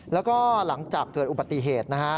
แล้วก็หลังจากเกิดอุบัติเหตุนะฮะ